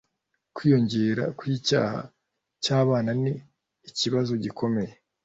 kwiyongera kwicyaha cyabana ni ikibazo gikomeye